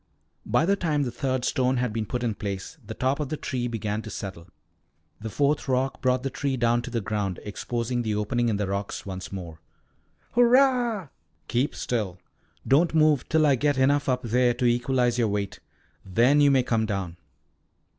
By the time the third stone had been put in place the top of the tree began to settle. The fourth rock brought the tree down to the ground, exposing the opening in the rocks once more. "Hurrah!" "Keep still. Don't move till I get enough up there to equalize your weight. Then you may come down."